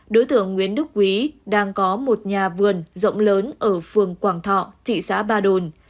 đối tượng nguyễn đức quý đang có một nhà vườn rộng lớn ở phường quảng thọ thị xã ba đồn